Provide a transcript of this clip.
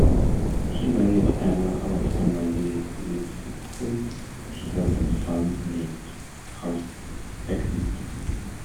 He married Emma of Normandy with whom he had a son named Harthacnut.